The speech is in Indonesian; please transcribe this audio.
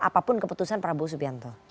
apapun keputusan prabowo subianto